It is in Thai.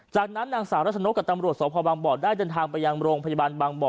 จากนั้นนางสาวรัชนกกับตำรวจสพบางบ่อได้เดินทางไปยังโรงพยาบาลบางบ่อ